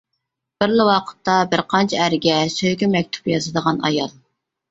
بىرلا ۋاقىتتا بىر قانچە ئەرگە سۆيگۈ مەكتۇپى يازىدىغان ئايال.